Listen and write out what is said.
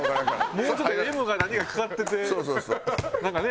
もうちょっと「Ｍ」が何かかかっててなんかね。